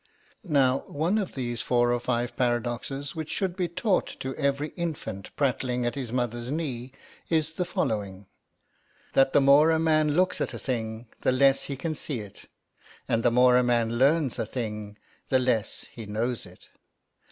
Now, one of these four or five paradoxes which should be taught to every infant prattling at his mother's knee is the following: That the more a man looks at a thing, the less he can see it, and the more a man learns a thing the less he knows it.